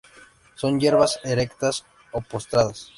Son hierbas, erectas o postradas.